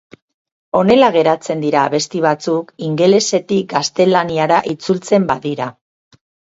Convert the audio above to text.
Honela geratzen dira abesti batzuk ingelesetik gaztelaniara itzultzen badira.